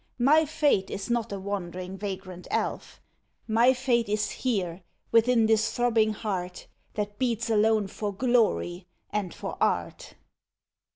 My fate is not a wandering, vagrant elf. My fate is here, within this throbbing heart That beats alone for glory, and for art.